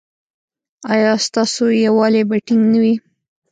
ایا ستاسو یووالي به ټینګ نه وي؟